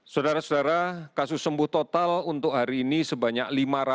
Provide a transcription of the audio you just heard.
saudara saudara kasus sembuh total untuk hari ini sebanyak lima ratus tujuh puluh tujuh